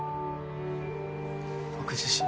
僕自身。